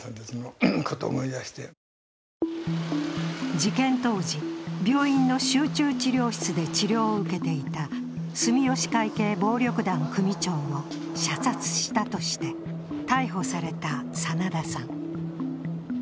事件当時、病院の集中治療室で治療を受けていた住吉会系暴力団組長を射殺したとして逮捕された真田さん。